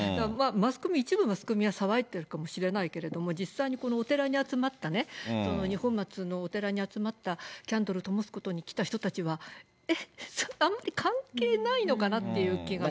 一部のマスコミは騒いでいるかもしれないけれども、実際にこのお寺に集まったね、二本松のお寺に集まった、キャンドルともすことに来た人たちは、えっ、ちょっとあんまり関係ないのかっていう気がして。